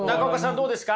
どうですか？